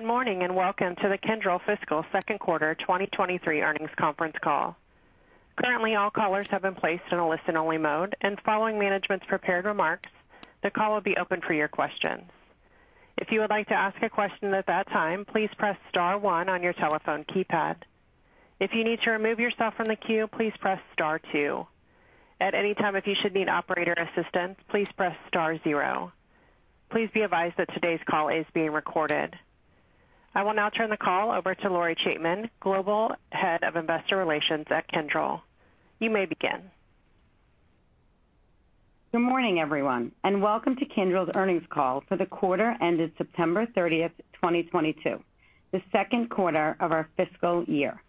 Good morning, and welcome to the Kyndryl fiscal second quarter 2023 earnings conference call. Currently, all callers have been placed in a listen-only mode, and following management's prepared remarks, the call will be open for your questions. If you would like to ask a question at that time, please press star one on your telephone keypad. If you need to remove yourself from the queue, please press star two. At any time if you should need operator assistance, please press star zero. Please be advised that today's call is being recorded. I will now turn the call over to Lori Chaitman, Global Head of Investor Relations at Kyndryl. You may begin. Good morning, everyone, and welcome to Kyndryl's earnings call for the quarter ended September 30th, 2022, the second quarter of our fiscal year.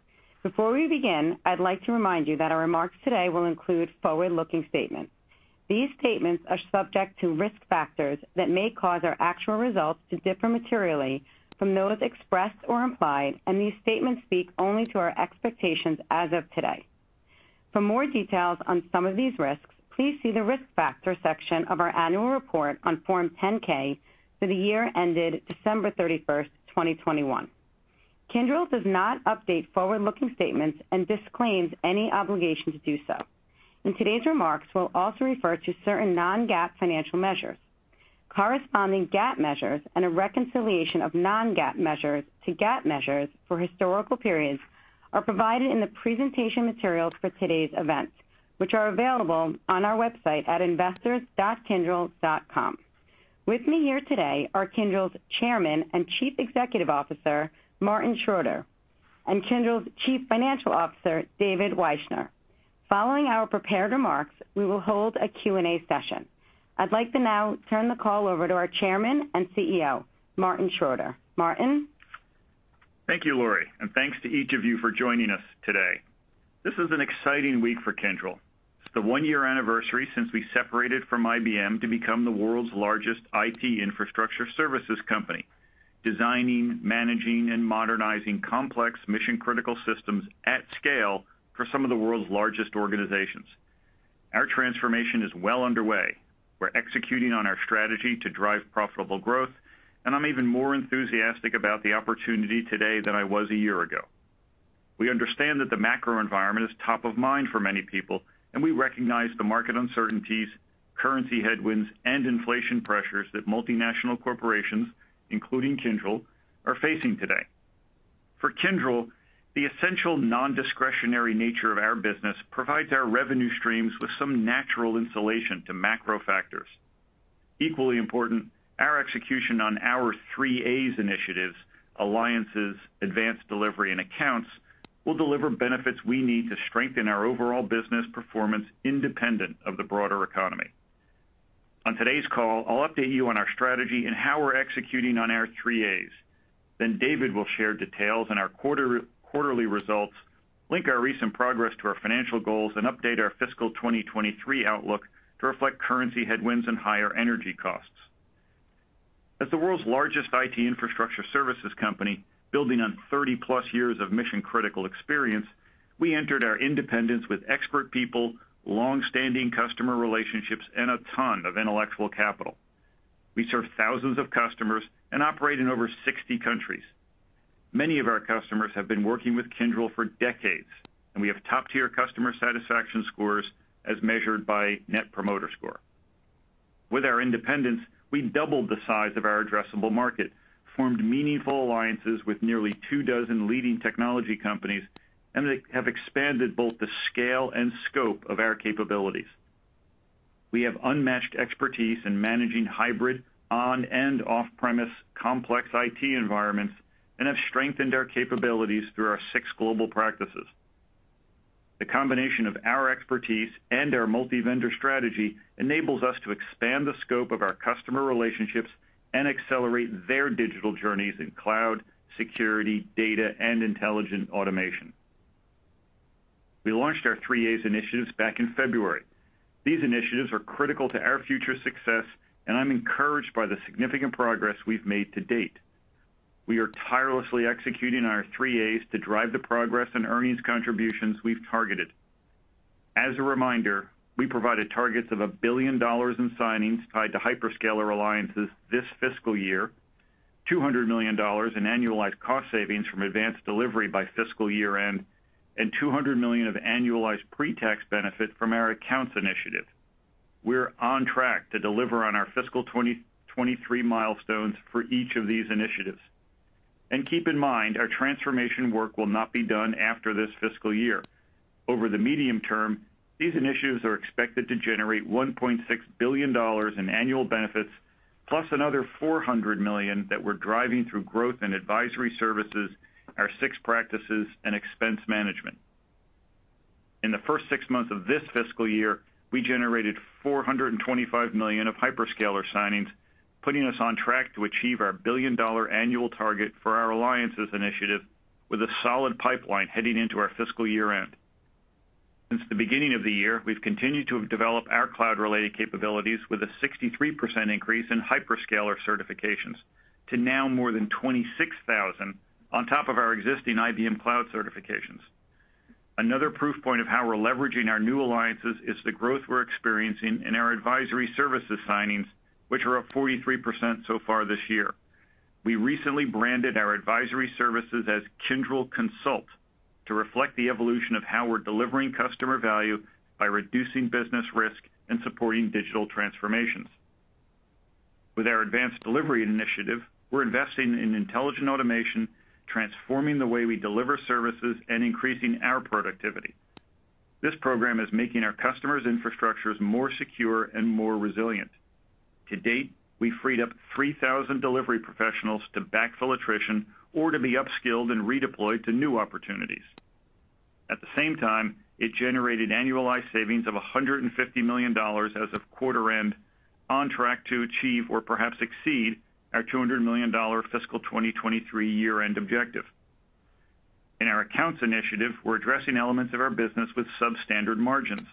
Before we begin, I'd like to remind you that our remarks today will include forward-looking statements. These statements are subject to risk factors that may cause our actual results to differ materially from those expressed or implied, and these statements speak only to our expectations as of today. For more details on some of these risks, please see the Risk Factor section of our annual report on Form 10-K for the year ended December 31st, 2021. Kyndryl does not update forward-looking statements and disclaims any obligation to do so. In today's remarks, we'll also refer to certain non-GAAP financial measures. Corresponding GAAP measures and a reconciliation of non-GAAP measures to GAAP measures for historical periods are provided in the presentation materials for today's event, which are available on our website at investors.kyndryl.com. With me here today are Kyndryl's Chairman and Chief Executive Officer, Martin Schroeter, and Kyndryl's Chief Financial Officer, David Wyshner. Following our prepared remarks, we will hold a Q&A session. I'd like to now turn the call over to our Chairman and CEO, Martin Schroeter. Martin? Thank you, Lori, and thanks to each of you for joining us today. This is an exciting week for Kyndryl. It's the one-year anniversary since we separated from IBM to become the world's largest IT infrastructure services company, designing, managing, and modernizing complex mission-critical systems at scale for some of the world's largest organizations. Our transformation is well underway. We're executing on our strategy to drive profitable growth, and I'm even more enthusiastic about the opportunity today than I was a year ago. We understand that the macro environment is top of mind for many people, and we recognize the market uncertainties, currency headwinds, and inflation pressures that multinational corporations, including Kyndryl, are facing today. For Kyndryl, the essential non-discretionary nature of our business provides our revenue streams with some natural insulation to macro factors. Equally important, our execution on our Three-A's initiatives, alliances, Advanced Delivery, and accounts, will deliver benefits we need to strengthen our overall business performance independent of the broader economy. On today's call, I'll update you on our strategy and how we're executing on our Three-A's. David will share details on our quarterly results, link our recent progress to our financial goals, and update our fiscal 2023 outlook to reflect currency headwinds and higher energy costs. As the world's largest IT infrastructure services company, building on 30+ years of mission-critical experience, we entered our independence with expert people, long-standing customer relationships, and a ton of intellectual capital. We serve thousands of customers and operate in over 60 countries. Many of our customers have been working with Kyndryl for decades, and we have top-tier customer satisfaction scores as measured by Net Promoter Score. With our independence, we doubled the size of our addressable market, formed meaningful alliances with nearly two dozen leading technology companies, and they have expanded both the scale and scope of our capabilities. We have unmatched expertise in managing hybrid on- and off-premise complex IT environments and have strengthened our capabilities through our six global practices. The combination of our expertise and our multi-vendor strategy enables us to expand the scope of our customer relationships and accelerate their digital journeys in cloud, security, data, and intelligent automation. We launched our Three-A's initiatives back in February. These initiatives are critical to our future success, and I'm encouraged by the significant progress we've made to date. We are tirelessly executing our Three-A's to drive the progress and earnings contributions we've targeted. As a reminder, we provided targets of $1 billion in signings tied to hyperscaler alliances this fiscal year, $200 million in annualized cost savings from Advanced Delivery by fiscal year-end, and $200 million of annualized pre-tax benefit from our Accounts initiative. We're on track to deliver on our fiscal 2023 milestones for each of these initiatives. Keep in mind, our transformation work will not be done after this fiscal year. Over the medium term, these initiatives are expected to generate $1.6 billion in annual benefits, plus another $400 million that we're driving through growth in advisory services, our six practices, and expense management. In the first six months of this fiscal year, we generated $425 million of hyperscaler signings, putting us on track to achieve our billion-dollar annual target for our alliances initiative with a solid pipeline heading into our fiscal year-end. Since the beginning of the year, we've continued to develop our cloud-related capabilities with a 63% increase in hyperscaler certifications to now more than 26,000 on top of our existing IBM Cloud certifications. Another proof point of how we're leveraging our new alliances is the growth we're experiencing in our advisory services signings, which are up 43% so far this year. We recently branded our advisory services as Kyndryl Consult to reflect the evolution of how we're delivering customer value by reducing business risk and supporting digital transformations. With our Advanced Delivery initiative, we're investing in intelligent automation, transforming the way we deliver services, and increasing our productivity. This program is making our customers' infrastructures more secure and more resilient. To date, we freed up 3,000 delivery professionals to backfill attrition or to be upskilled and redeployed to new opportunities. At the same time, it generated annualized savings of $150 million as of quarter end on track to achieve or perhaps exceed our $200 million fiscal 2023 year-end objective. In our Accounts initiative, we're addressing elements of our business with substandard margins.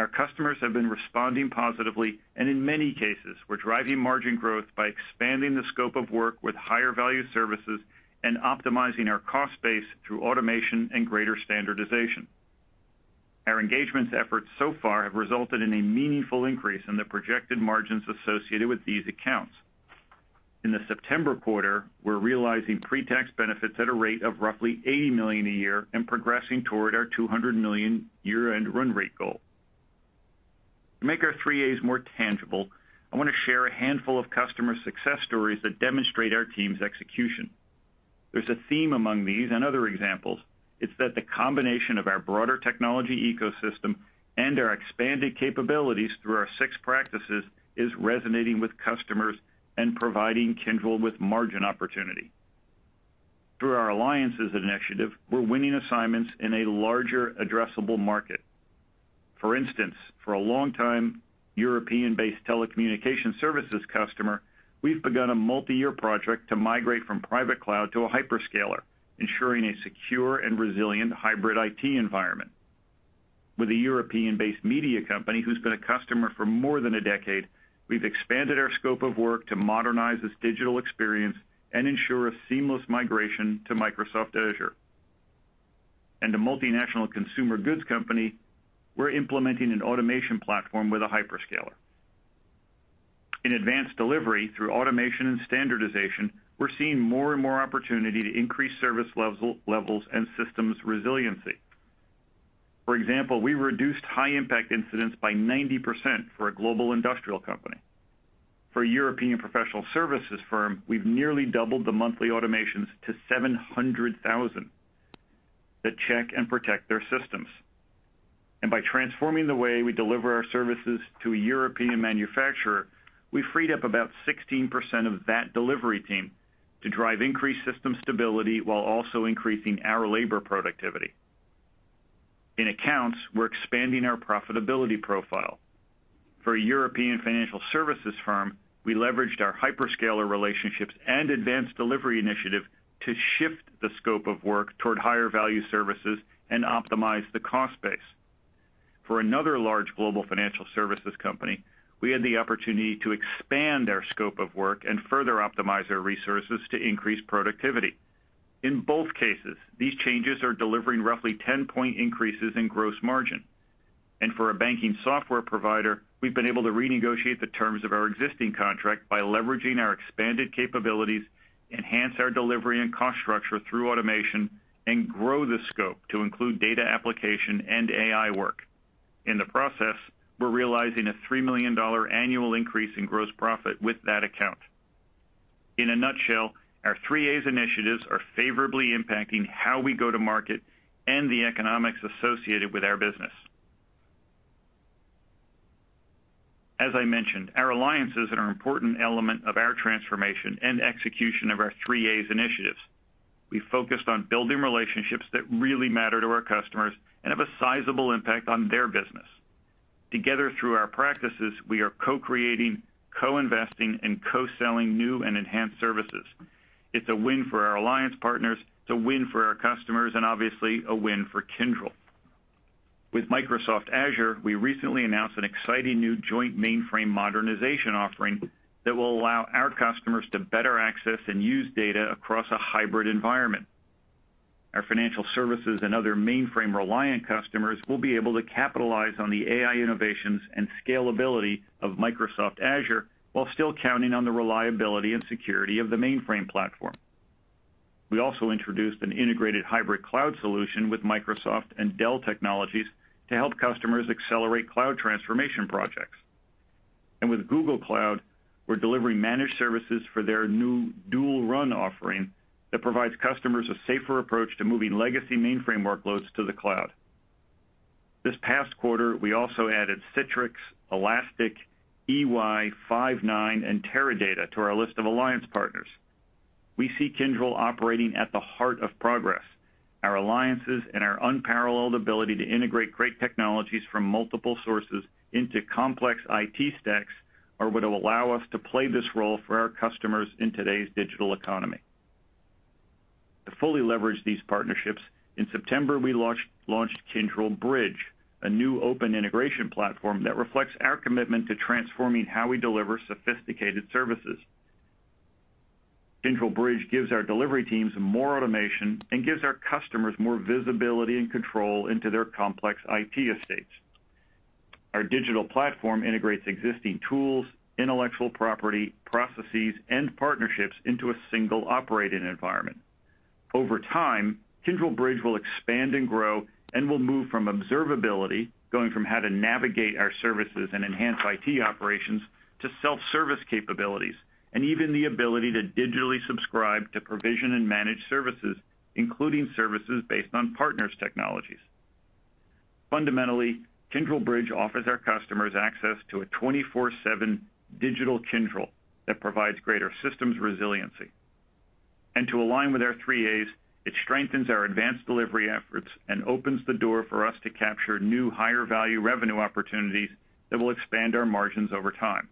Our customers have been responding positively, and in many cases, we're driving margin growth by expanding the scope of work with higher value services and optimizing our cost base through automation and greater standardization. Our engagements efforts so far have resulted in a meaningful increase in the projected margins associated with these accounts. In the September quarter, we're realizing pre-tax benefits at a rate of roughly $80 million a year and progressing toward our $200 million year-end run rate goal. To make our Three-A's more tangible, I wanna share a handful of customer success stories that demonstrate our team's execution. There's a theme among these and other examples. It's that the combination of our broader technology ecosystem and our expanded capabilities through our six practices is resonating with customers and providing Kyndryl with margin opportunity. Through our alliances initiative, we're winning assignments in a larger addressable market. For instance, for a long-time European-based telecommunications services customer, we've begun a multi-year project to migrate from private cloud to a hyperscaler, ensuring a secure and resilient hybrid IT environment. With a European-based media company who's been a customer for more than a decade, we've expanded our scope of work to modernize this digital experience and ensure a seamless migration to Microsoft Azure. A multinational consumer goods company, we're implementing an automation platform with a hyperscaler. In Advanced Delivery through automation and standardization, we're seeing more and more opportunity to increase service levels and systems resiliency. For example, we reduced high impact incidents by 90% for a global industrial company. For a European professional services firm, we've nearly doubled the monthly automations to 700,000 that check and protect their systems. By transforming the way we deliver our services to a European manufacturer, we freed up about 16% of that delivery team to drive increased system stability while also increasing our labor productivity. In accounts, we're expanding our profitability profile. For a European financial services firm, we leveraged our hyperscaler relationships and Advanced Delivery initiative to shift the scope of work toward higher value services and optimize the cost base. For another large global financial services company, we had the opportunity to expand our scope of work and further optimize our resources to increase productivity. In both cases, these changes are delivering roughly 10-point increases in gross margin. For a banking software provider, we've been able to renegotiate the terms of our existing contract by leveraging our expanded capabilities, enhance our delivery and cost structure through automation, and grow the scope to include data application and AI work. In the process, we're realizing a $3 million annual increase in gross profit with that account. In a nutshell, our Three-A's initiatives are favorably impacting how we go to market and the economics associated with our business. As I mentioned, our alliances are an important element of our transformation and execution of our Three-A's initiatives. We focused on building relationships that really matter to our customers and have a sizable impact on their business. Together through our practices, we are co-creating, co-investing, and co-selling new and enhanced services. It's a win for our alliance partners, it's a win for our customers, and obviously a win for Kyndryl. With Microsoft Azure, we recently announced an exciting new joint mainframe modernization offering that will allow our customers to better access and use data across a hybrid environment. Our financial services and other mainframe reliant customers will be able to capitalize on the AI innovations and scalability of Microsoft Azure while still counting on the reliability and security of the mainframe platform. We also introduced an integrated hybrid cloud solution with Microsoft and Dell Technologies to help customers accelerate cloud transformation projects. With Google Cloud, we're delivering managed services for their new Dual Run offering that provides customers a safer approach to moving legacy mainframe workloads to the cloud. This past quarter, we also added Citrix, Elastic, EY, Five9, and Teradata to our list of alliance partners. We see Kyndryl operating at the heart of progress. Our alliances and our unparalleled ability to integrate great technologies from multiple sources into complex IT stacks are what allow us to play this role for our customers in today's digital economy. To fully leverage these partnerships, in September, we launched Kyndryl Bridge, a new open integration platform that reflects our commitment to transforming how we deliver sophisticated services. Kyndryl Bridge gives our delivery teams more automation and gives our customers more visibility and control into their complex IT estates. Our digital platform integrates existing tools, intellectual property, processes, and partnerships into a single operating environment. Over time, Kyndryl Bridge will expand and grow, and will move from observability, going from how to navigate our services and enhance IT operations to self-service capabilities, and even the ability to digitally subscribe to provision and manage services, including services based on partners' technologies. Fundamentally, Kyndryl Bridge offers our customers access to a 24/7 digital Kyndryl that provides greater systems resiliency. To align with our Three-A's, it strengthens our Advanced Delivery efforts and opens the door for us to capture new higher value revenue opportunities that will expand our margins over time.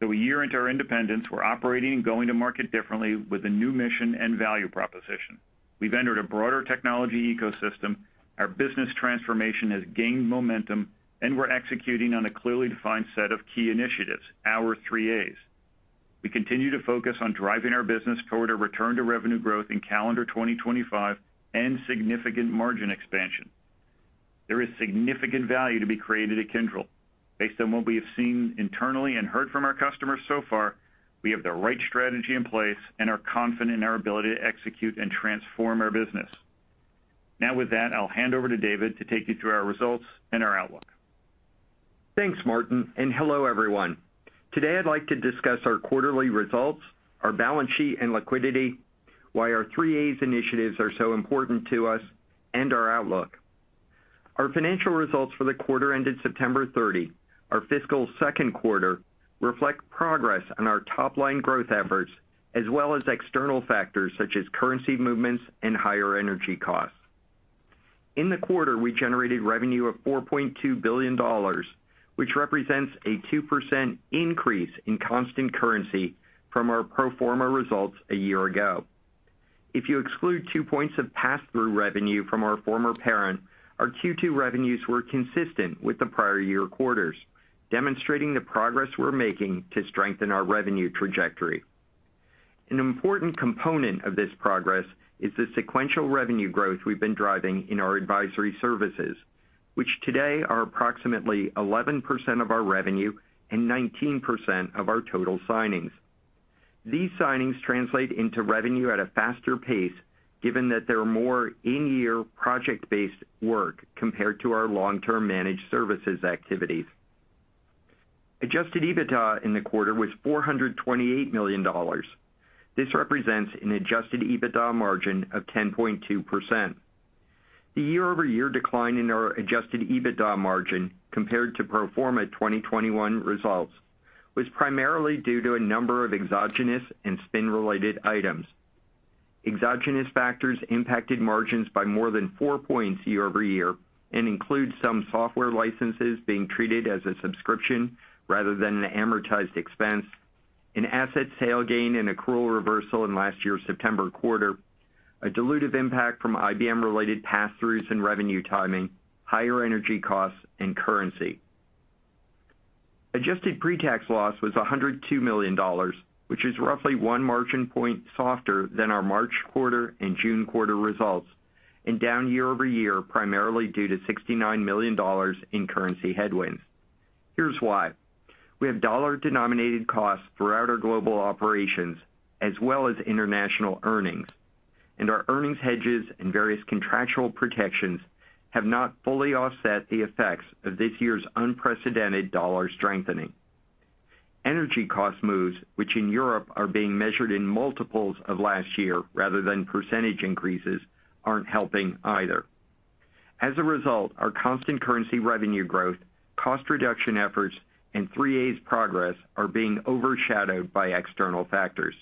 A year into our independence, we're operating and going to market differently with a new mission and value proposition. We've entered a broader technology ecosystem. Our business transformation has gained momentum, and we're executing on a clearly defined set of key initiatives, our Three-A's. We continue to focus on driving our business toward a return to revenue growth in calendar 2025 and significant margin expansion. There is significant value to be created at Kyndryl. Based on what we have seen internally and heard from our customers so far, we have the right strategy in place and are confident in our ability to execute and transform our business. Now with that, I'll hand over to David to take you through our results and our outlook. Thanks, Martin, and hello, everyone. Today, I'd like to discuss our quarterly results, our balance sheet and liquidity, why our Three-A's initiatives are so important to us, and our outlook. Our financial results for the quarter ended September 30, our fiscal second quarter, reflect progress on our top line growth efforts, as well as external factors such as currency movements and higher energy costs. In the quarter, we generated revenue of $4.2 billion, which represents a 2% increase in constant currency from our pro forma results a year ago. If you exclude two points of pass-through revenue from our former parent, our Q2 revenues were consistent with the prior year quarters, demonstrating the progress we're making to strengthen our revenue trajectory. An important component of this progress is the sequential revenue growth we've been driving in our advisory services, which today are approximately 11% of our revenue and 19% of our total signings. These signings translate into revenue at a faster pace given that they are more in-year project-based work compared to our long-term managed services activities. Adjusted EBITDA in the quarter was $428 million. This represents an Adjusted EBITDA margin of 10.2%. The year-over-year decline in our Adjusted EBITDA margin compared to pro forma 2021 results was primarily due to a number of exogenous and spin-related items. Exogenous factors impacted margins by more than four points year-over-year and includes some software licenses being treated as a subscription rather than an amortized expense, an asset sale gain and accrual reversal in last year's September quarter, a dilutive impact from IBM-related pass-throughs and revenue timing, higher energy costs, and currency. Adjusted pre-tax loss was $102 million, which is roughly one margin point softer than our March quarter and June quarter results, and down year-over-year, primarily due to $69 million in currency headwinds. Here's why. We have dollar-denominated costs throughout our global operations as well as international earnings, and our earnings hedges and various contractual protections have not fully offset the effects of this year's unprecedented dollar strengthening. Energy cost moves, which in Europe are being measured in multiples of last year rather than percentage increases, aren't helping either. As a result, our constant currency revenue growth, cost reduction efforts, and Three-A's progress are being overshadowed by external factors.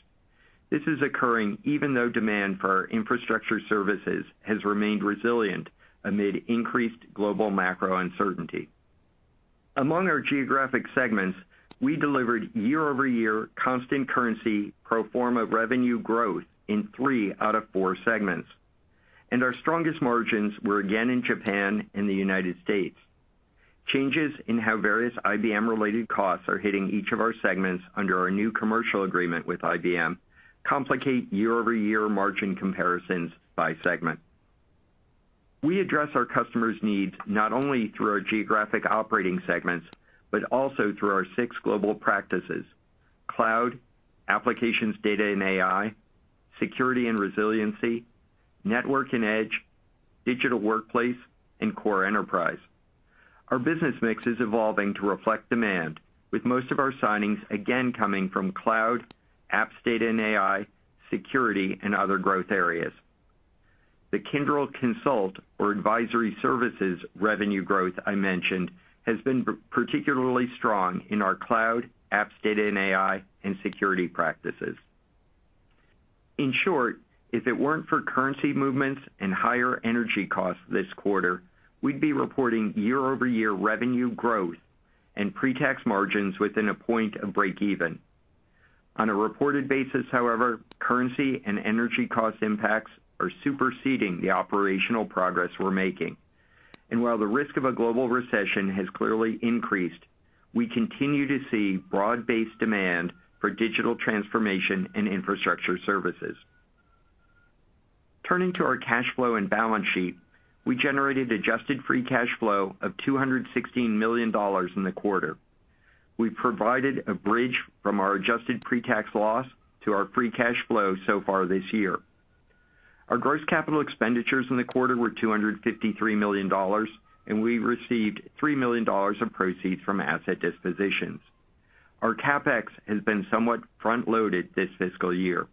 This is occurring even though demand for our infrastructure services has remained resilient amid increased global macro uncertainty. Among our geographic segments, we delivered year-over-year constant currency pro forma revenue growth in three out of four segments, and our strongest margins were again in Japan and the United States. Changes in how various IBM-related costs are hitting each of our segments under our new commercial agreement with IBM complicate year-over-year margin comparisons by segment. We address our customers' needs not only through our geographic operating segments, but also through our six global practices, cloud, applications, data, and AI, security and resiliency, network and edge, digital workplace, and core enterprise. Our business mix is evolving to reflect demand, with most of our signings again coming from cloud, apps, data, and AI, security, and other growth areas. The Kyndryl Consult or advisory services revenue growth I mentioned has been particularly strong in our cloud, apps, data, and AI, and security practices. In short, if it weren't for currency movements and higher energy costs this quarter, we'd be reporting year-over-year revenue growth and pre-tax margins within a point of breakeven. On a reported basis, however, currency and energy cost impacts are superseding the operational progress we're making. While the risk of a global recession has clearly increased, we continue to see broad-based demand for digital transformation and infrastructure services. Turning to our cash flow and balance sheet, we generated adjusted free cash flow of $216 million in the quarter. We provided a bridge from our adjusted pre-tax loss to our free cash flow so far this year. Our gross capital expenditures in the quarter were $253 million, and we received $3 million of proceeds from asset dispositions. Our CapEx has been somewhat front-loaded this fiscal year.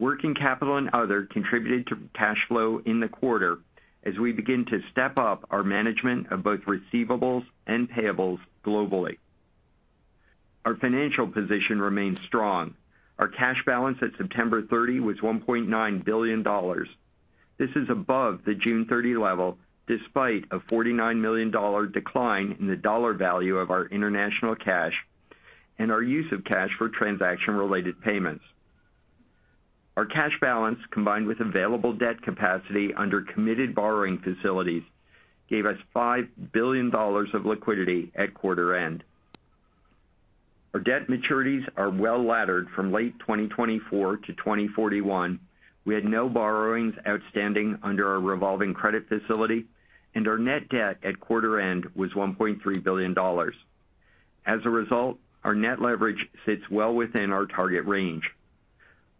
Working capital and other contributed to cash flow in the quarter as we begin to step up our management of both receivables and payables globally. Our financial position remains strong. Our cash balance at September 30 was $1.9 billion. This is above the June 30 level, despite a $49 million decline in the dollar value of our international cash and our use of cash for transaction-related payments. Our cash balance, combined with available debt capacity under committed borrowing facilities, gave us $5 billion of liquidity at quarter end. Our debt maturities are well-laddered from late 2024-2041. We had no borrowings outstanding under our revolving credit facility, and our net debt at quarter end was $1.3 billion. As a result, our net leverage sits well within our target range.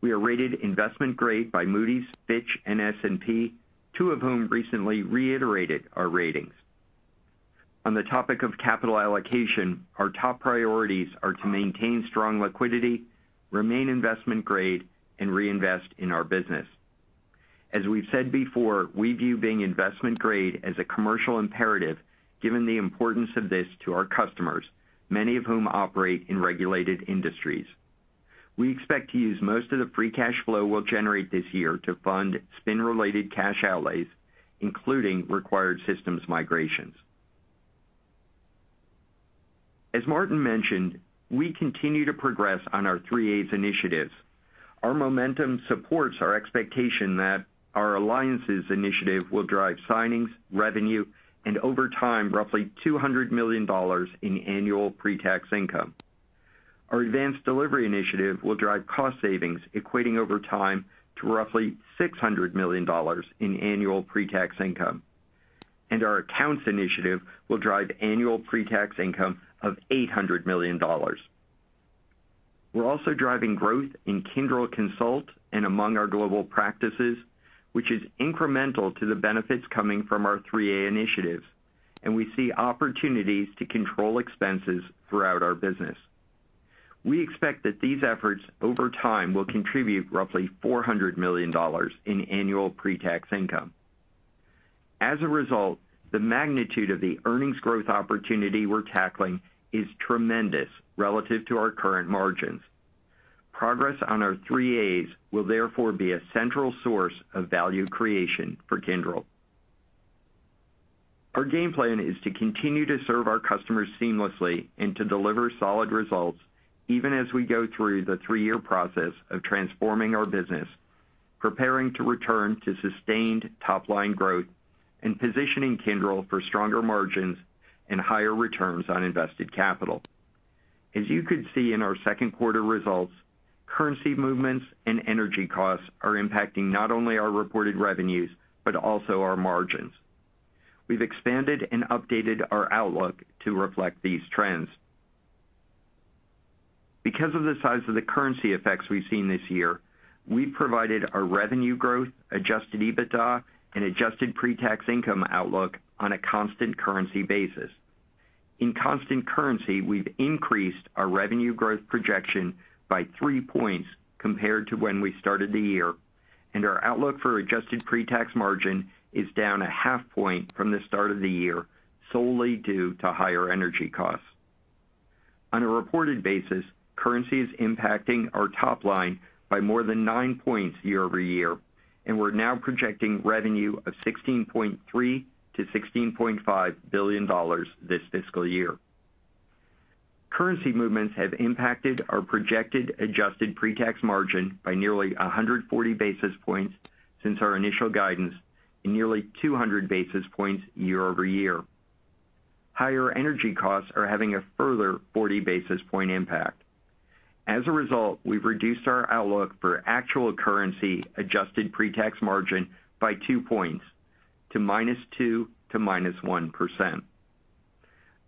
We are rated investment grade by Moody's, Fitch, and S&P, two of whom recently reiterated our ratings. On the topic of capital allocation, our top priorities are to maintain strong liquidity, remain investment grade, and reinvest in our business. As we've said before, we view being investment grade as a commercial imperative given the importance of this to our customers, many of whom operate in regulated industries. We expect to use most of the free cash flow we'll generate this year to fund spin-related cash outlays, including required systems migrations. As Martin mentioned, we continue to progress on our Three-A's initiatives. Our momentum supports our expectation that our alliances initiative will drive signings, revenue, and over time, roughly $200 million in annual pre-tax income. Our Advanced Delivery initiative will drive cost savings equating over time to roughly $600 million in annual pre-tax income. Our Accounts initiative will drive annual pre-tax income of $800 million. We're also driving growth in Kyndryl Consult and among our global practices, which is incremental to the benefits coming from our Three-A's initiatives, and we see opportunities to control expenses throughout our business. We expect that these efforts over time will contribute roughly $400 million in annual pre-tax income. As a result, the magnitude of the earnings growth opportunity we're tackling is tremendous relative to our current margins. Progress on our Three-A's will therefore be a central source of value creation for Kyndryl. Our game plan is to continue to serve our customers seamlessly and to deliver solid results even as we go through the three-year process of transforming our business, preparing to return to sustained top-line growth, and positioning Kyndryl for stronger margins and higher returns on invested capital. As you could see in our second quarter results, currency movements and energy costs are impacting not only our reported revenues, but also our margins. We've expanded and updated our outlook to reflect these trends. Because of the size of the currency effects we've seen this year, we provided our revenue growth, Adjusted EBITDA, and adjusted pre-tax income outlook on a constant currency basis. In constant currency, we've increased our revenue growth projection by three points compared to when we started the year, and our outlook for adjusted pre-tax margin is down 0.5 point from the start of the year, solely due to higher energy costs. On a reported basis, currency is impacting our top line by more than nine points year-over-year, and we're now projecting revenue of $16.3 billion-$16.5 billion this fiscal year. Currency movements have impacted our projected adjusted pre-tax margin by nearly 140 basis points since our initial guidance and nearly 200 basis points year-over-year. Higher energy costs are having a further 40 basis point impact. As a result, we've reduced our outlook for actual currency adjusted pre-tax margin by two points to -2% to -1%.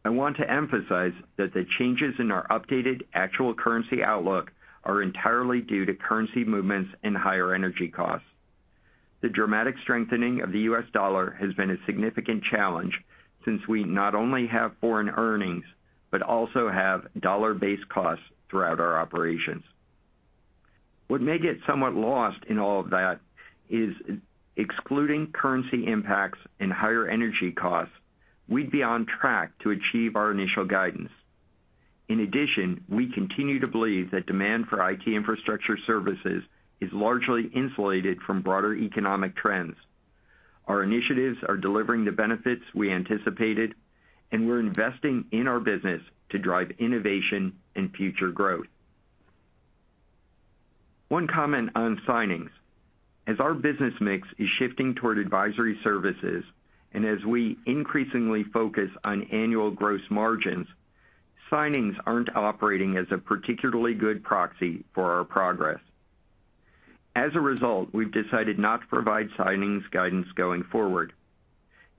I want to emphasize that the changes in our updated actual currency outlook are entirely due to currency movements and higher energy costs. The dramatic strengthening of the U.S. dollar has been a significant challenge since we not only have foreign earnings, but also have dollar-based costs throughout our operations. What may get somewhat lost in all of that is excluding currency impacts and higher energy costs, we'd be on track to achieve our initial guidance. In addition, we continue to believe that demand for IT infrastructure services is largely insulated from broader economic trends. Our initiatives are delivering the benefits we anticipated, and we're investing in our business to drive innovation and future growth. One comment on signings. As our business mix is shifting toward advisory services and as we increasingly focus on annual gross margins, signings aren't operating as a particularly good proxy for our progress. As a result, we've decided not to provide signings guidance going forward.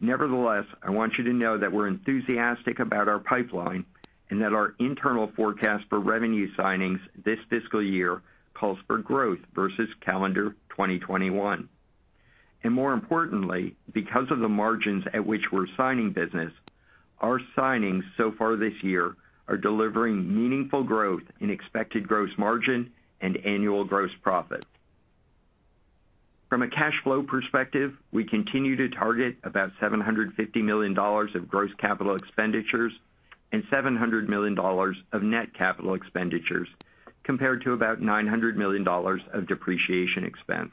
Nevertheless, I want you to know that we're enthusiastic about our pipeline and that our internal forecast for revenue signings this fiscal year calls for growth versus calendar 2021. More importantly, because of the margins at which we're signing business, our signings so far this year are delivering meaningful growth in expected gross margin and annual gross profit. From a cash flow perspective, we continue to target about $750 million of gross capital expenditures and $700 million of net capital expenditures compared to about $900 million of depreciation expense.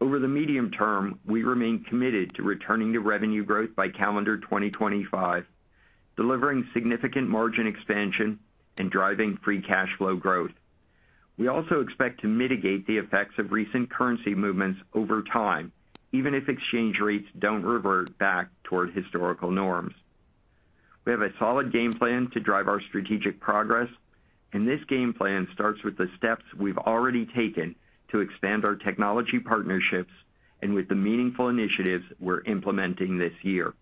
Over the medium term, we remain committed to returning to revenue growth by calendar 2025, delivering significant margin expansion and driving free cash flow growth. We also expect to mitigate the effects of recent currency movements over time, even if exchange rates don't revert back toward historical norms. We have a solid game plan to drive our strategic progress, and this game plan starts with the steps we've already taken to expand our technology partnerships and with the meaningful initiatives we're implementing this year.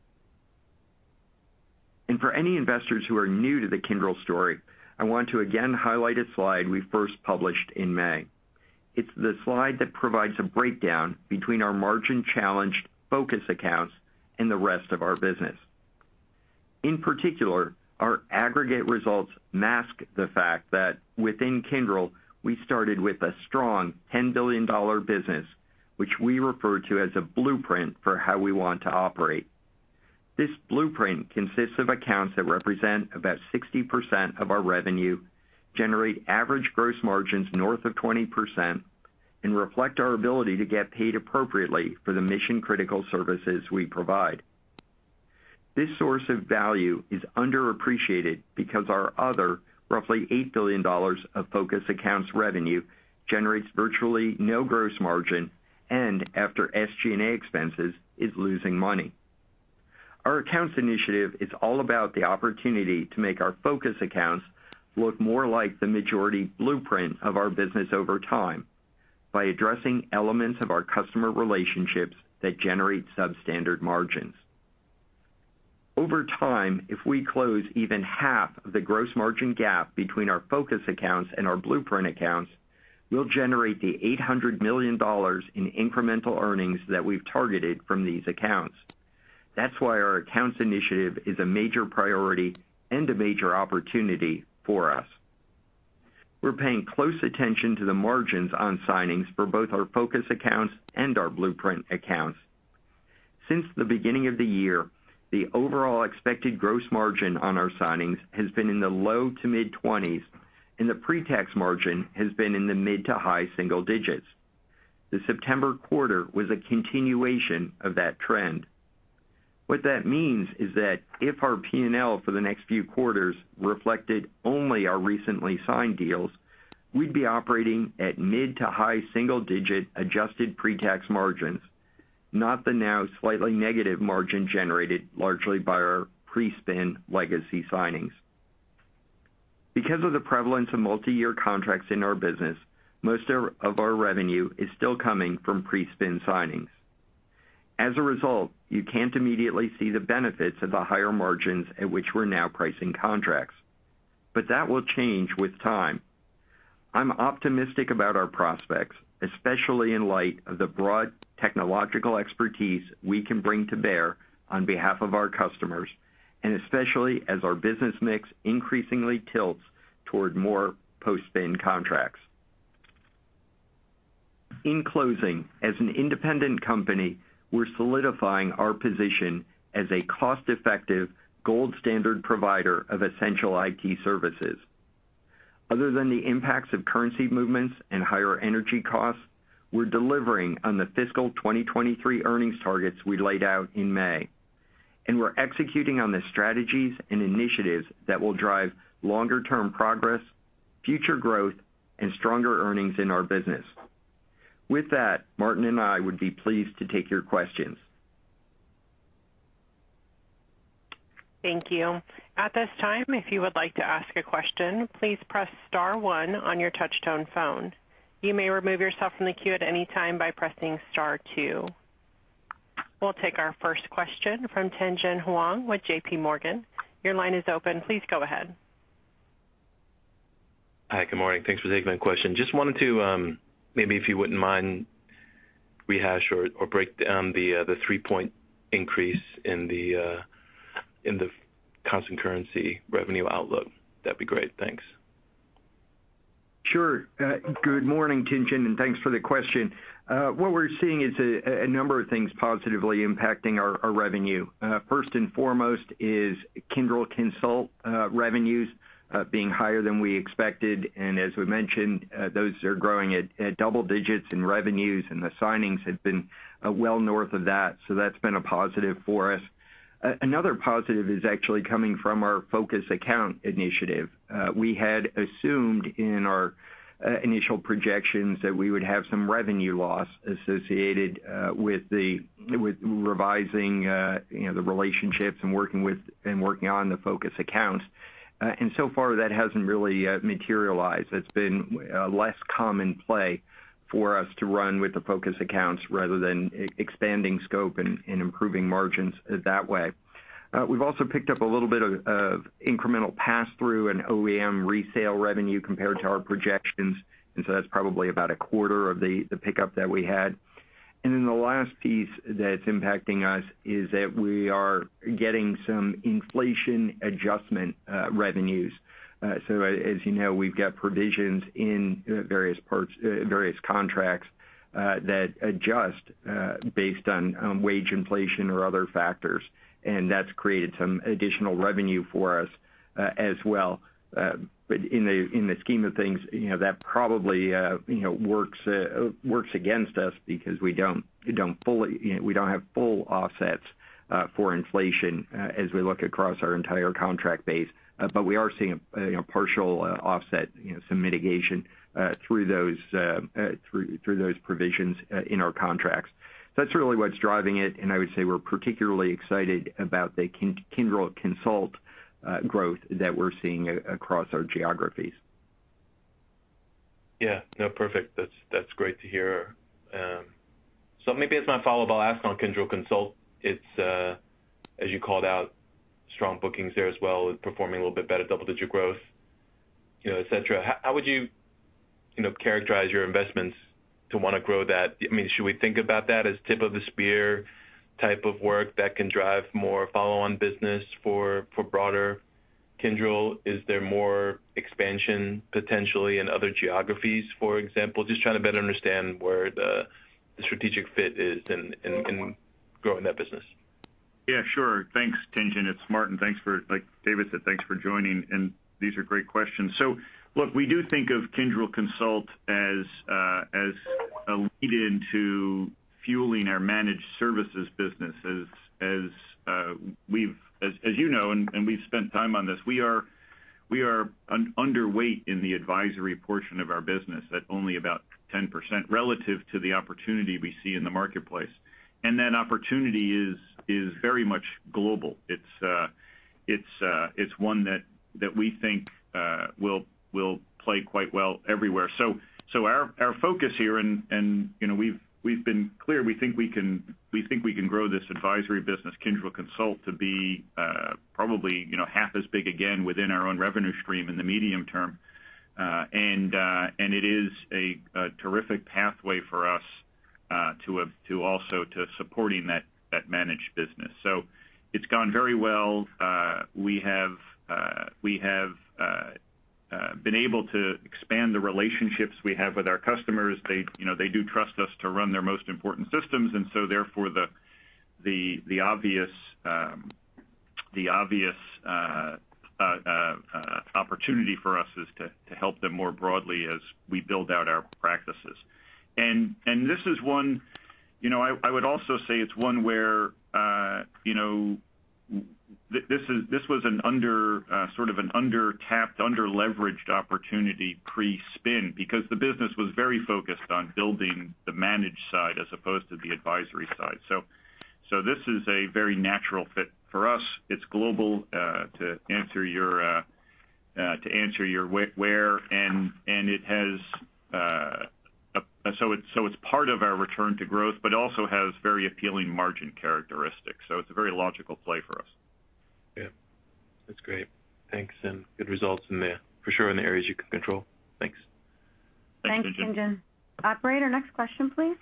For any investors who are new to the Kyndryl story, I want to again highlight a slide we first published in May. It's the slide that provides a breakdown between our margin-challenged focus accounts and the rest of our business. In particular, our aggregate results mask the fact that within Kyndryl, we started with a strong $10 billion business, which we refer to as a blueprint for how we want to operate. This blueprint consists of accounts that represent about 60% of our revenue, generate average gross margins north of 20%, and reflect our ability to get paid appropriately for the mission-critical services we provide. This source of value is underappreciated because our other roughly $8 billion of focus accounts revenue generates virtually no gross margin and after SG&A expenses is losing money. Our Accounts initiative is all about the opportunity to make our focus accounts look more like the majority blueprint of our business over time by addressing elements of our customer relationships that generate substandard margins. Over time, if we close even 1/2 of the gross margin gap between our focus accounts and our blueprint accounts, we'll generate the $800 million in incremental earnings that we've targeted from these accounts. That's why our Accounts initiative is a major priority and a major opportunity for us. We're paying close attention to the margins on signings for both our focus accounts and our blueprint accounts. Since the beginning of the year, the overall expected gross margin on our signings has been in the low- to mid-20s, and the pre-tax margin has been in the mid- to high single-digits. The September quarter was a continuation of that trend. What that means is that if our P&L for the next few quarters reflected only our recently signed deals, we'd be operating at mid- to high single-digit adjusted pre-tax margins, not the now slightly negative margin generated largely by our pre-spin legacy signings. Because of the prevalence of multiyear contracts in our business, most of our revenue is still coming from pre-spin signings. As a result, you can't immediately see the benefits of the higher margins at which we're now pricing contracts. That will change with time. I'm optimistic about our prospects, especially in light of the broad technological expertise we can bring to bear on behalf of our customers, and especially as our business mix increasingly tilts toward more post-spin contracts. In closing, as an independent company, we're solidifying our position as a cost-effective gold standard provider of essential IT services. Other than the impacts of currency movements and higher energy costs, we're delivering on the fiscal 2023 earnings targets we laid out in May, and we're executing on the strategies and initiatives that will drive longer-term progress, future growth, and stronger earnings in our business. With that, Martin and I would be pleased to take your questions. Thank you. At this time, if you would like to ask a question, please press star one on your touch-tone phone. You may remove yourself from the queue at any time by pressing star two. We'll take our first question from Tien-tsin Huang with JPMorgan. Your line is open. Please go ahead. Hi. Good morning. Thanks for taking my question. Just wanted to maybe if you wouldn't mind break down the three-point increase in the constant currency revenue outlook. That'd be great. Thanks. Sure. Good morning, Tien-tsin, and thanks for the question. What we're seeing is a number of things positively impacting our revenue. First and foremost is Kyndryl Consult revenues being higher than we expected. As we mentioned, those are growing at double-digits in revenues, and the signings have been well north of that. That's been a positive for us. Another positive is actually coming from our focus account initiative. We had assumed in our initial projections that we would have some revenue loss associated with revising, you know, the relationships and working with and working on the focus accounts. So far, that hasn't really materialized. It's been less common play for us to run with the focus accounts rather than expanding scope and improving margins that way. We've also picked up a little bit of incremental pass-through and OEM resale revenue compared to our projections, and so that's probably about a quarter of the pickup that we had. Then the last piece that's impacting us is that we are getting some inflation adjustment revenues. So as you know, we've got provisions in various parts various contracts that adjust based on wage inflation or other factors, and that's created some additional revenue for us as well. In the scheme of things, you know, that probably you know works against us because we don't fully you know we don't have full offsets for inflation as we look across our entire contract base. We are seeing a you know partial offset you know some mitigation through those provisions in our contracts. That's really what's driving it, and I would say we're particularly excited about the Kyndryl Consult growth that we're seeing across our geographies. Yeah. No, perfect. That's great to hear. So maybe as my follow-up, I'll ask on Kyndryl Consult. It's as you called out, strong bookings there as well, performing a little bit better, double-digit growth, you know, et cetera. How would you know, characterize your investments to wanna grow that? I mean, should we think about that as tip-of-the-spear type of work that can drive more follow-on business for broader Kyndryl? Is there more expansion potentially in other geographies, for example? Just trying to better understand where the strategic fit is in growing that business. Yeah, sure. Thanks, Tien-tsin. It's Martin. Like David said, thanks for joining, and these are great questions. Look, we do think of Kyndryl Consult as a lead-in to fueling our managed services business. As you know, we've spent time on this, we are underweight in the advisory portion of our business at only about 10% relative to the opportunity we see in the marketplace. That opportunity is very much global. It's one that we think will play quite well everywhere. Our focus here and, you know, we've been clear, we think we can grow this advisory business, Kyndryl Consult, to be probably, you know, 1/2 as big again within our own revenue stream in the medium term. And it is a terrific pathway for us to also support that managed business. It's gone very well. We have been able to expand the relationships we have with our customers. They, you know, they do trust us to run their most important systems, and so therefore, the obvious opportunity for us is to help them more broadly as we build out our practices. This is one. You know, I would also say it's one where you know this was sort of an undertapped, underleveraged opportunity pre-spin because the business was very focused on building the managed side as opposed to the advisory side. This is a very natural fit for us. It's global, to answer your where, and it has. It's part of our return to growth but also has very appealing margin characteristics. It's a very logical play for us. Yeah. That's great. Thanks, and good results, for sure, in the areas you can control. Thanks. Thanks, Tien-tsin. Operator, next question, please.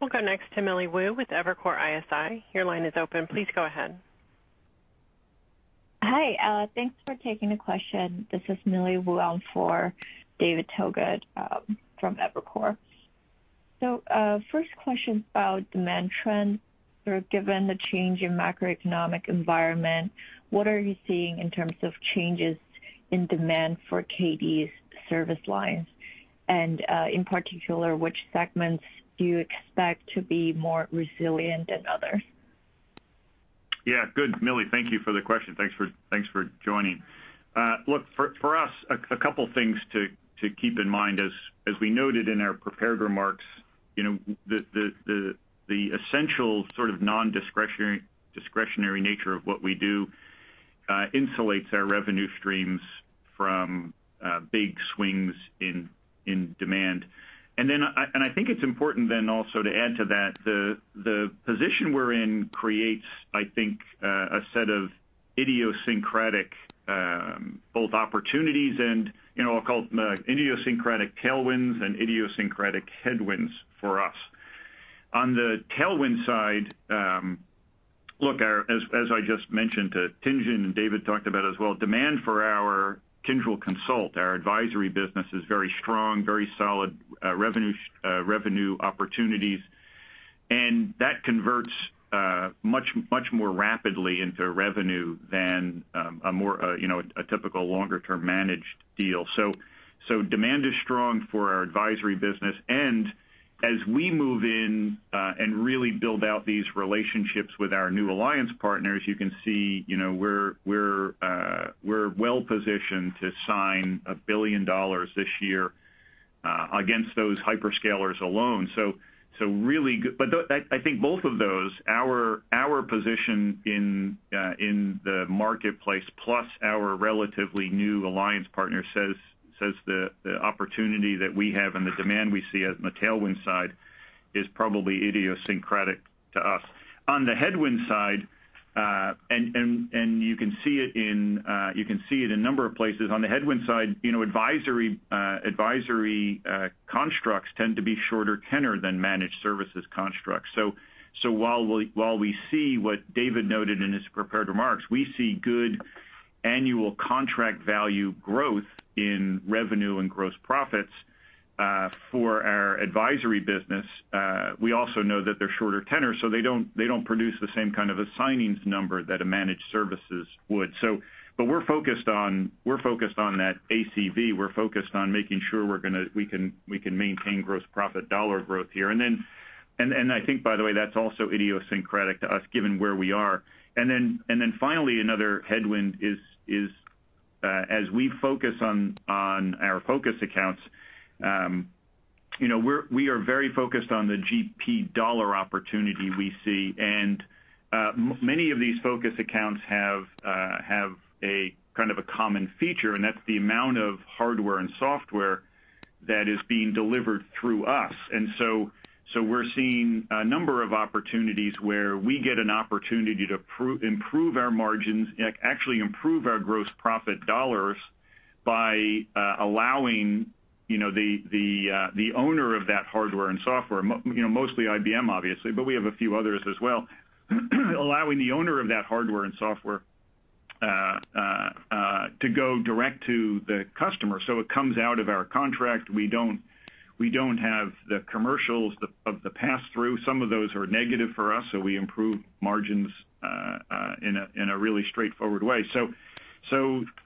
We'll go next to Millie Wu with Evercore ISI. Your line is open. Please go ahead. Hi. Thanks for taking the question. This is Millie Wu on for David Togut from Evercore. First question is about demand trends. Sort of given the change in macroeconomic environment, what are you seeing in terms of changes in demand for Kyndryl's service lines? In particular, which segments do you expect to be more resilient than others? Yeah. Good, Millie. Thank you for the question. Thanks for joining. Look, for us, a couple things to keep in mind as we noted in our prepared remarks, you know, the essential sort of non-discretionary, discretionary nature of what we do insulates our revenue streams from big swings in demand. I think it's important then also to add to that the position we're in creates, I think, a set of idiosyncratic both opportunities and, you know, I'll call it, idiosyncratic tailwinds and idiosyncratic headwinds for us. On the tailwind side, as I just mentioned to Tien-tsin, and David talked about as well, demand for our Kyndryl Consult, our advisory business, is very strong, very solid, revenue opportunities. That converts much more rapidly into revenue than a more you know a typical longer term managed deal. Demand is strong for our advisory business. As we move in and really build out these relationships with our new alliance partners, you can see you know we're well-positioned to sign $1 billion this year against those hyperscalers alone. Really I think both of those our position in the marketplace plus our relatively new alliance partner says the opportunity that we have and the demand we see at the tailwind side is probably idiosyncratic to us. On the headwind side and you can see it in a number of places. On the headwind side, you know, advisory constructs tend to be shorter tenor than managed services constructs. So while we see what David noted in his prepared remarks, we see good annual contract value growth in revenue and gross profits for our advisory business. We also know that they're shorter tenor, so they don't produce the same kind of signings number that a managed services would. So but we're focused on that ACV. We're focused on making sure we can maintain gross profit dollar growth here. Then, I think by the way, that's also idiosyncratic to us, given where we are. Finally, another headwind is as we focus on our focus accounts, you know, we are very focused on the GP dollar opportunity we see. Many of these focus accounts have a kind of a common feature, and that's the amount of hardware and software that is being delivered through us. We're seeing a number of opportunities where we get an opportunity to improve our margins and actually improve our gross profit dollars by allowing, you know, the owner of that hardware and software, you know, mostly IBM, obviously, but we have a few others as well, allowing the owner of that hardware and software to go direct to the customer. It comes out of our contract. We don't have the commercials of the pass-through. Some of those are negative for us, so we improve margins in a really straightforward way.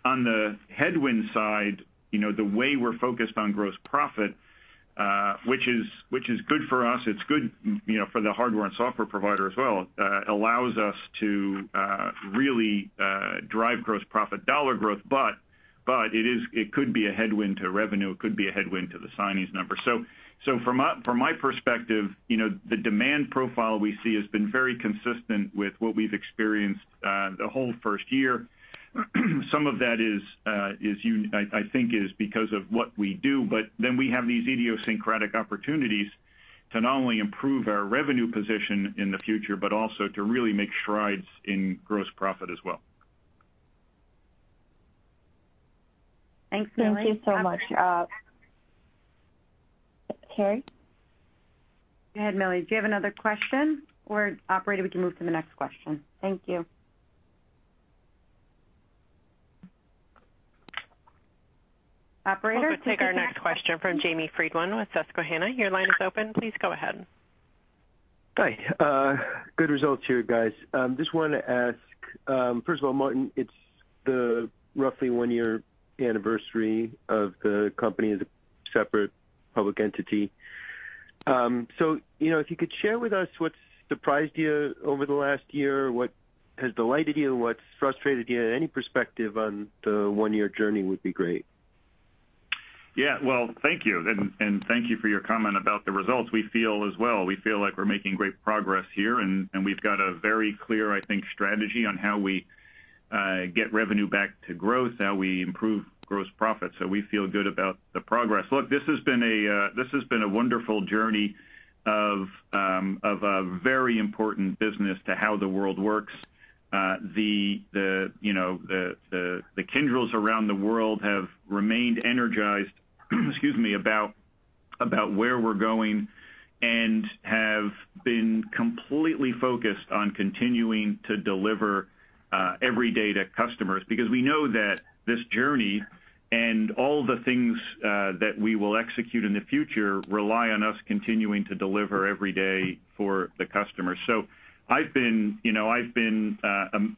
On the headwind side, you know, the way we're focused on gross profit, which is good for us, it's good, you know, for the hardware and software provider as well, allows us to really drive gross profit dollar growth. It could be a headwind to revenue. It could be a headwind to the signings number. From my perspective, you know, the demand profile we see has been very consistent with what we've experienced the whole first year. Some of that is unique. I think it's because of what we do. We have these idiosyncratic opportunities to not only improve our revenue position in the future, but also to really make strides in gross profit as well. Thanks, Millie. Thank you so much. Terry? Go ahead, Millie. Do you have another question, or, operator, we can move to the next question. Thank you. Operator. We'll go take our next question from Jamie Friedman with Susquehanna. Your line is open. Please go ahead. Hi. Good results here, guys. Just wanna ask. First of all, Martin, it's the roughly one-year anniversary of the company as a separate public entity. So, you know, if you could share with us what's surprised you over the last year, what has delighted you, what's frustrated you, any perspective on the one-year journey would be great. Yeah. Well, thank you. Thank you for your comment about the results. We feel as well. We feel like we're making great progress here, and we've got a very clear, I think, strategy on how we get revenue back to growth, how we improve gross profit. We feel good about the progress. Look, this has been a wonderful journey of a very important business to how the world works. You know, the Kyndryls around the world have remained energized, excuse me, about where we're going and have been completely focused on continuing to deliver every day to customers. Because we know that this journey and all the things that we will execute in the future rely on us continuing to deliver every day for the customer. I've been, you know,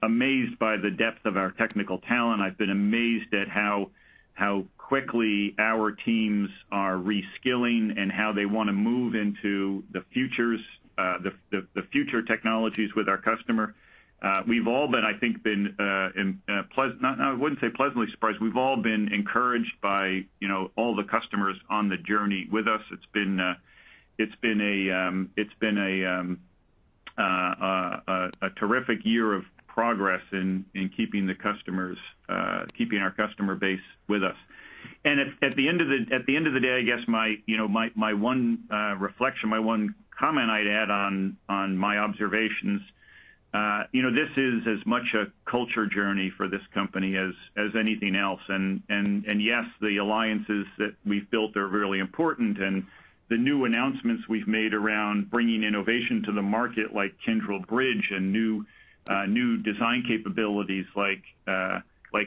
amazed by the depth of our technical talent. I've been amazed at how quickly our teams are re-skilling and how they wanna move into the future technologies with our customer. We've all been, I think. No, I wouldn't say pleasantly surprised. We've all been encouraged by, you know, all the customers on the journey with us. It's been a terrific year of progress in keeping the customers keeping our customer base with us. At the end of the day, I guess you know, my one reflection, my one comment I'd add on my observations. You know, this is as much a culture journey for this company as anything else. Yes, the alliances that we've built are really important. The new announcements we've made around bringing innovation to the market like Kyndryl Bridge and new design capabilities like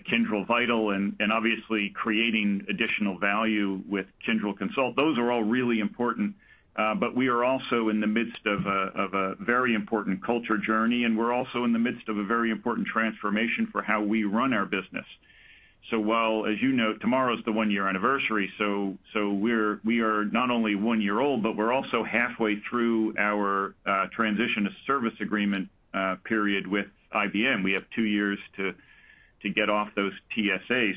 Kyndryl Vital and obviously creating additional value with Kyndryl Consult, those are all really important. But we are also in the midst of a very important culture journey, and we're also in the midst of a very important transformation for how we run our business. While as you know, tomorrow's the one-year anniversary. We are not only one year old, but we're also halfway through our transition to service agreement period with IBM. We have two years to get off those TSAs.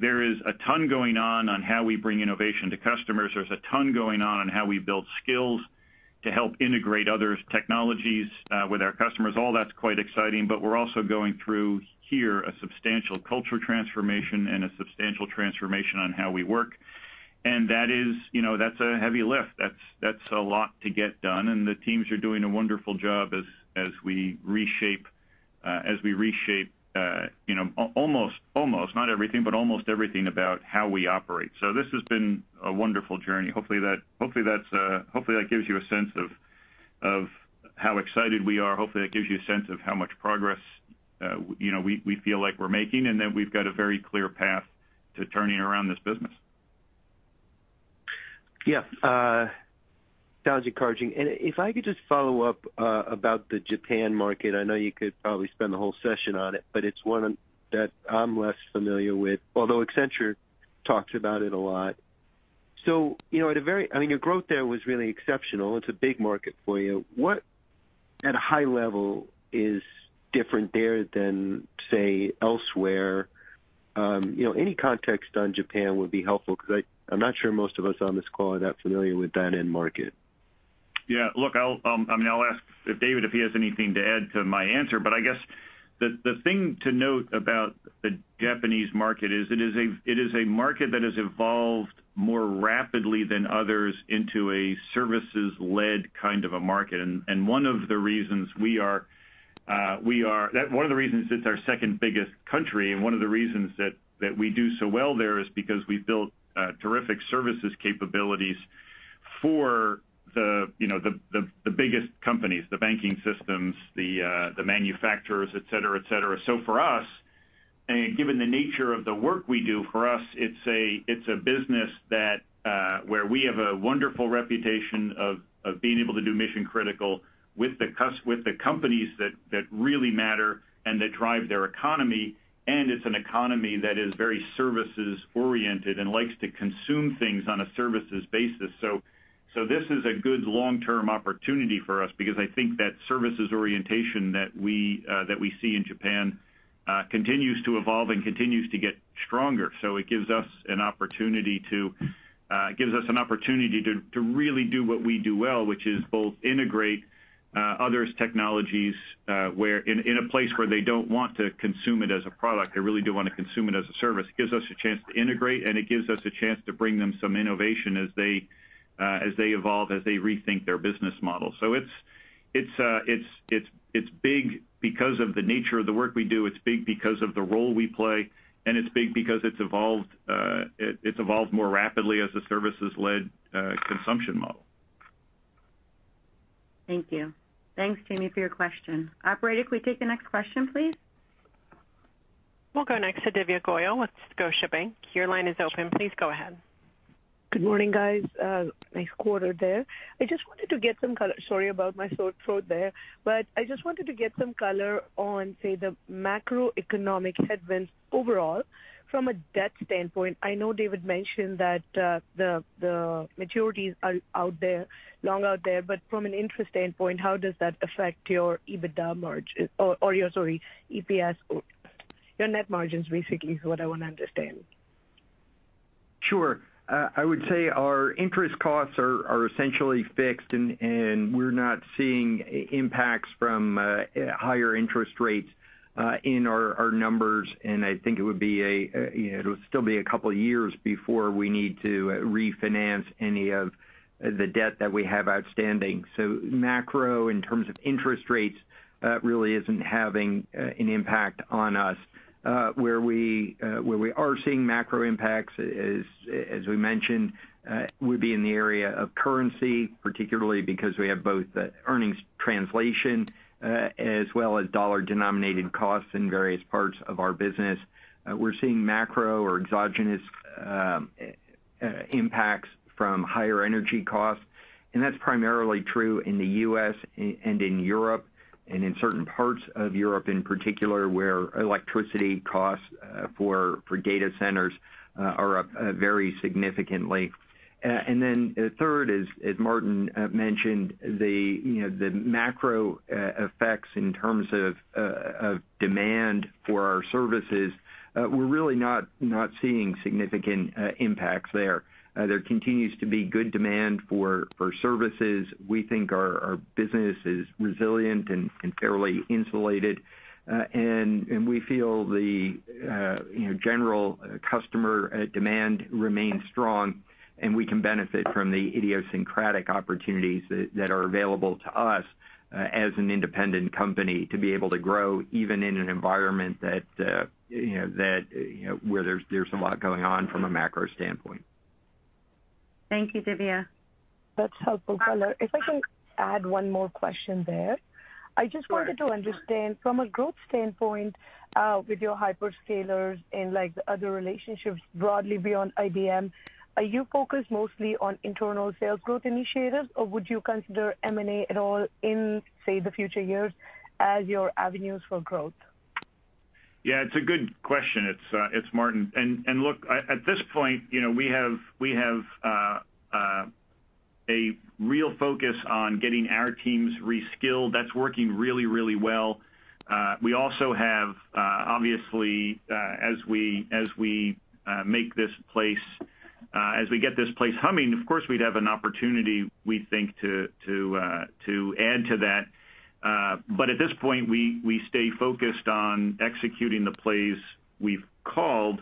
There is a ton going on how we bring innovation to customers. There's a ton going on how we build skills to help integrate others' technologies with our customers. All that's quite exciting, but we're also going through here a substantial culture transformation and a substantial transformation on how we work. That is, you know, that's a heavy lift. That's a lot to get done. The teams are doing a wonderful job as we reshape, you know, almost, not everything, but almost everything about how we operate. This has been a wonderful journey. Hopefully that gives you a sense of how excited we are. Hopefully that gives you a sense of how much progress, you know, we feel like we're making, and that we've got a very clear path to turning around this business. Yeah. Sounds encouraging. If I could just follow up about the Japan market. I know you could probably spend the whole session on it, but it's one that I'm less familiar with, although Accenture talks about it a lot. You know, I mean, your growth there was really exceptional. It's a big market for you. What at a high level is different there than, say, elsewhere? You know, any context on Japan would be helpful because I'm not sure most of us on this call are that familiar with that end market. Yeah. Look, I'll, I mean, I'll ask if David has anything to add to my answer. I guess the thing to note about the Japanese market is a market that has evolved more rapidly than others into a services-led kind of a market. One of the reasons it's our second biggest country and one of the reasons that we do so well there is because we've built terrific services capabilities for you know the biggest companies, the banking systems, the manufacturers, et cetera. For us, given the nature of the work we do, for us, it's a business that where we have a wonderful reputation of being able to do mission critical with the companies that really matter and that drive their economy. It's an economy that is very services-oriented and likes to consume things on a services basis. This is a good long-term opportunity for us because I think that services orientation that we see in Japan continues to evolve and continues to get stronger. It gives us an opportunity to really do what we do well, which is both integrate others' technologies where in a place where they don't want to consume it as a product. They really do wanna consume it as a service. It gives us a chance to integrate, and it gives us a chance to bring them some innovation as they evolve, as they rethink their business model. It's big because of the nature of the work we do. It's big because of the role we play, and it's big because it's evolved more rapidly as a services-led consumption model. Thank you. Thanks, Jamie, for your question. Operator, could we take the next question, please? We'll go next to Divya Goyal with Scotiabank. Your line is open. Please go ahead. Good morning, guys. Nice quarter there. I just wanted to get some color. Sorry about my sore throat there, but I just wanted to get some color on, say, the macroeconomic headwinds overall from a debt standpoint. I know David mentioned that, the maturities are out there, long out there, but from an interest standpoint, how does that affect your EBITDA margin or your EPS or your net margins? Basically is what I wanna understand. Sure. I would say our interest costs are essentially fixed and we're not seeing impacts from higher interest rates in our numbers. I think it would be, you know, it'll still be a couple of years before we need to refinance any of the debt that we have outstanding. Macro, in terms of interest rates, really isn't having an impact on us. Where we are seeing macro impacts, as we mentioned, would be in the area of currency, particularly because we have both the earnings translation as well as dollar-denominated costs in various parts of our business. We're seeing macro or exogenous impacts from higher energy costs, and that's primarily true in the U.S. and in Europe, and in certain parts of Europe in particular, where electricity costs for data centers are up very significantly. The third is, as Martin mentioned, the macro effects in terms of demand for our services. We're really not seeing significant impacts there. There continues to be good demand for services. We think our business is resilient and fairly insulated. We feel the you know general customer demand remains strong, and we can benefit from the idiosyncratic opportunities that are available to us as an independent company to be able to grow even in an environment that you know that you know where there's a lot going on from a macro standpoint. Thank you, Divya. That's helpful. If I can add one more question there. Sure. I just wanted to understand from a growth standpoint, with your hyperscalers and, like, the other relationships broadly beyond IBM, are you focused mostly on internal sales growth initiatives, or would you consider M&A at all in, say, the future years as your avenues for growth? Yeah, it's a good question. It's Martin. Look, at this point, you know, we have a real focus on getting our teams reskilled. That's working really well. We also have, obviously, as we get this place humming, of course, we'd have an opportunity, we think to add to that. At this point, we stay focused on executing the plays we've called.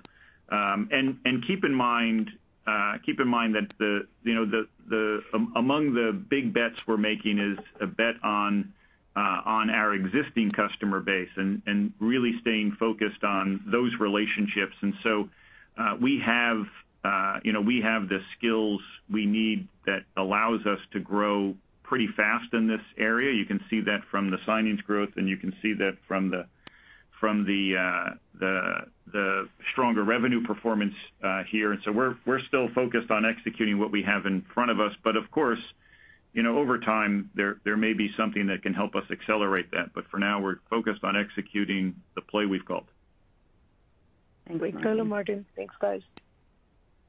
Keep in mind that, you know, among the big bets we're making is a bet on our existing customer base and really staying focused on those relationships. We have you know the skills we need that allows us to grow pretty fast in this area. You can see that from the signings growth, and you can see that from the stronger revenue performance here. We're still focused on executing what we have in front of us. Of course, you know, over time there may be something that can help us accelerate that. For now, we're focused on executing the play we've called. Thanks a lot, Martin. Thanks, guys.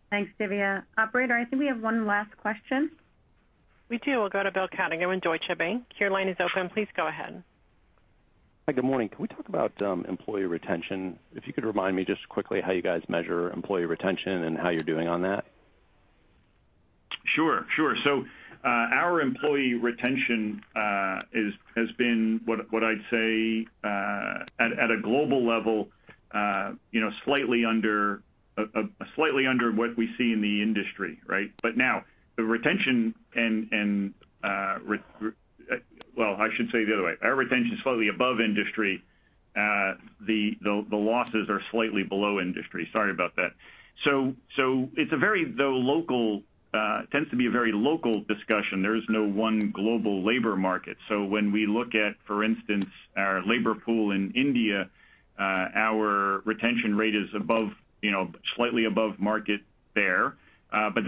Thanks, Divya. Operator, I think we have one last question. We do. We'll go to Bill Cunningham with Deutsche Bank. Your line is open. Please go ahead. Hi, good morning. Can we talk about employee retention? If you could remind me just quickly how you guys measure employee retention and how you're doing on that. Sure, sure. Our employee retention has been what I'd say at a global level, you know, slightly under what we see in the industry, right? Well, I should say it the other way. Our retention is slightly above industry. The losses are slightly below industry. Sorry about that. It tends to be a very local discussion. There is no one global labor market. When we look at, for instance, our labor pool in India, our retention rate is above, you know, slightly above market there.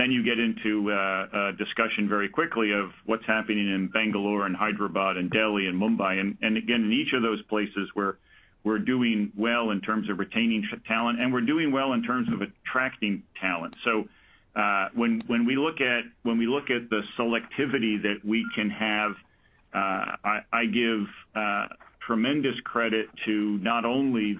You get into a discussion very quickly of what's happening in Bangalore and Hyderabad and Delhi and Mumbai. Again, in each of those places, we're doing well in terms of retaining talent, and we're doing well in terms of attracting talent. When we look at the selectivity that we can have, I give tremendous credit to not only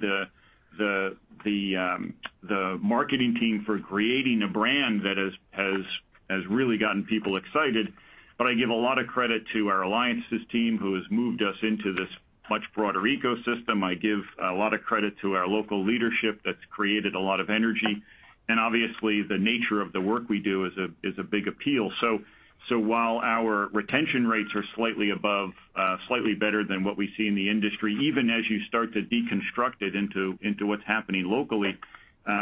the marketing team for creating a brand that has really gotten people excited, but I give a lot of credit to our alliances team who has moved us into this much broader ecosystem. I give a lot of credit to our local leadership that's created a lot of energy. Obviously, the nature of the work we do is a big appeal. While our retention rates are slightly above, slightly better than what we see in the industry, even as you start to deconstruct it into what's happening locally,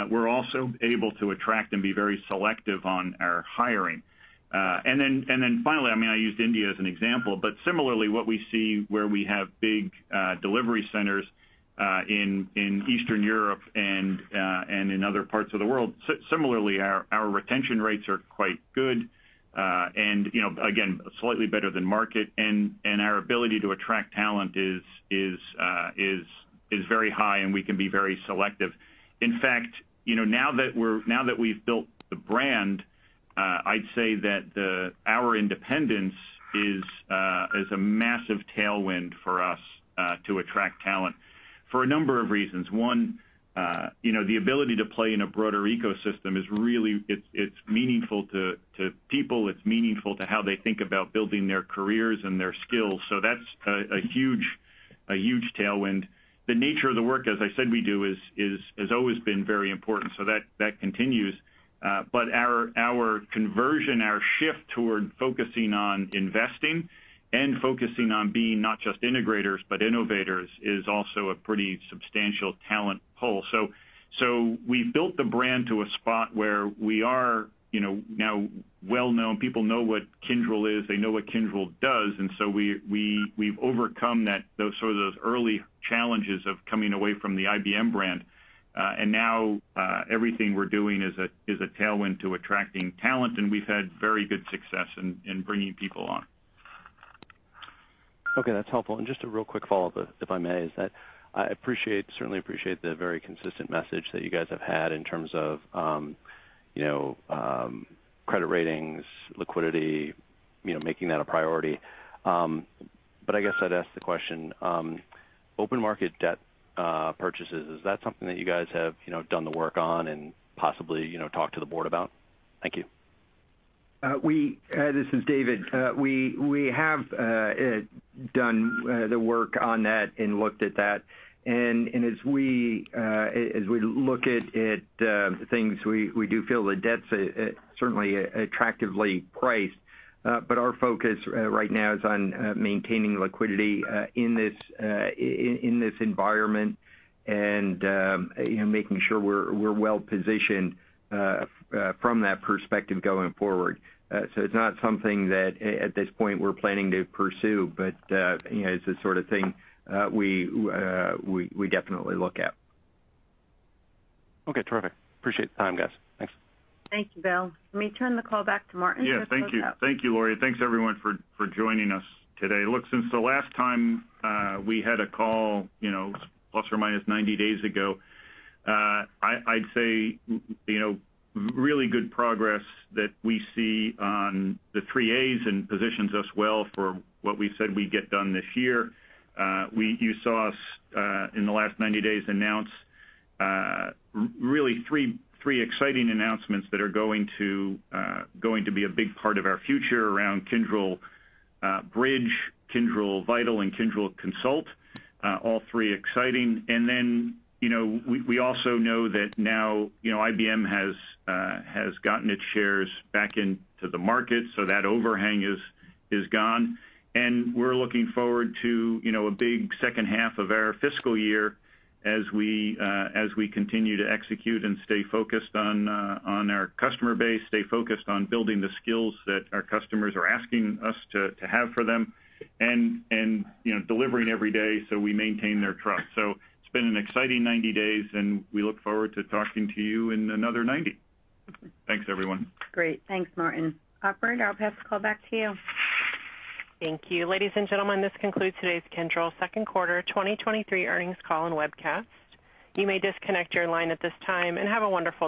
we're also able to attract and be very selective on our hiring. Finally, I mean, I used India as an example, but similarly what we see where we have big delivery centers in Eastern Europe and in other parts of the world, similarly, our retention rates are quite good. You know, again, slightly better than market. Our ability to attract talent is very high, and we can be very selective. In fact, you know, now that we've built the brand, I'd say that our independence is a massive tailwind for us to attract talent for a number of reasons. One, you know, the ability to play in a broader ecosystem is really it's meaningful to people. It's meaningful to how they think about building their careers and their skills. That's a huge tailwind. The nature of the work, as I said, we do has always been very important. That continues. Our conversion, our shift toward focusing on investing and focusing on being not just integrators but innovators is also a pretty substantial talent pull. We've built the brand to a spot where we are, you know, now well-known. People know what Kyndryl is, they know what Kyndryl does, and we've overcome those sort of early challenges of coming away from the IBM brand. Now, everything we're doing is a tailwind to attracting talent, and we've had very good success in bringing people on. Okay, that's helpful. Just a real quick follow-up, if I may, is that I certainly appreciate the very consistent message that you guys have had in terms of, you know, credit ratings, liquidity, you know, making that a priority. I guess I'd ask the question, open market debt purchases, is that something that you guys have, you know, done the work on and possibly, you know, talked to the Board about? Thank you. This is David. We have done the work on that and looked at that. As we look at things, we do feel the debt's certainly attractively priced. Our focus right now is on maintaining liquidity in this environment and, you know, making sure we're well positioned from that perspective going forward. It's not something that at this point we're planning to pursue. You know, it's the sort of thing we definitely look at. Okay, terrific. Appreciate the time, guys. Thanks. Thank you, Bill. Let me turn the call back to Martin to close out. Yeah, thank you. Thank you, Lori. Thanks, everyone for joining us today. Look, since the last time we had a call, you know, ±90 days ago, I'd say, you know, really good progress that we see on the Three-A's and positions us well for what we said we'd get done this year. You saw us in the last 90 days announce really three exciting announcements that are going to be a big part of our future around Kyndryl Bridge, Kyndryl Vital and Kyndryl Consult. All three exciting. You know, we also know that now, you know, IBM has gotten its shares back into the market, so that overhang is gone. We're looking forward to, you know, a big second half of our fiscal year as we continue to execute and stay focused on our customer base, stay focused on building the skills that our customers are asking us to have for them and, you know, delivering every day so we maintain their trust. It's been an exciting 90 days, and we look forward to talking to you in another 90. Thanks, everyone. Great. Thanks, Martin. Operator, I'll pass the call back to you. Thank you. Ladies and gentlemen, this concludes today's Kyndryl second quarter 2023 earnings call and webcast. You may disconnect your line at this time, and have a wonderful day.